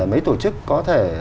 mấy tổ chức có thể